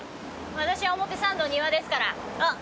私は表参道庭ですから。